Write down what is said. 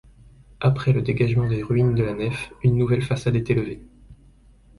Après le dégagement des ruines de la nef, une nouvelle façade est élevée.